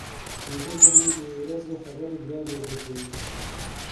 ویده ذهن د ورځې خبرې بیا بیا ګرځوي